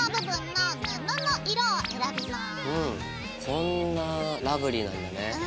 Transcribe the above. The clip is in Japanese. こんなラブリーなんだね。